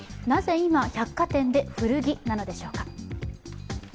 なぜ今、百貨店で古着なのでしょうか。